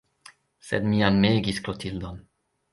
Sed mi amegis Klotildon.